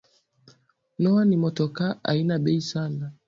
Noah ni motoka aina bei sana